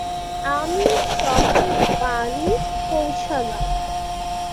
আমি সবে বাড়ি পৌছালাম।